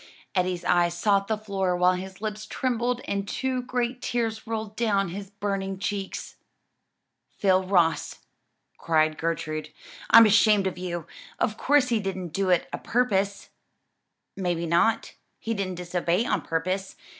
Eddie's eyes sought the floor while his lips trembled and two great tears rolled down his burning cheeks. "Phil Ross," cried Gertrude, "I'm ashamed of you! of course he didn't do it a purpose." "May be not; he didn't disobey on purpose?